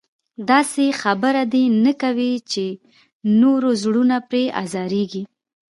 داسې خبره دې نه کوي چې نورو زړونه پرې ازارېږي.